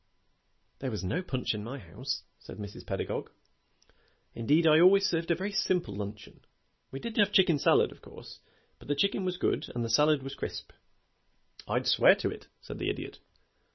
"There was no punch in my house," said Mrs. Pedagog. "Indeed, I always served a very simple luncheon. We did have chicken salad, of course, but the chicken was good and the salad was crisp " "I'd swear to it," said the Idiot.